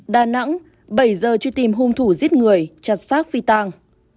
đà nẵng bảy giờ truy tìm hung thủ giết người chặt xác phi tàng